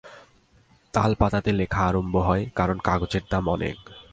তালপাতাতে লেখা আরম্ভ হয়, কারণ কাগজের দাম অনেক।